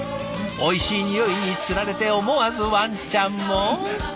おいしいにおいにつられて思わずワンちゃんも。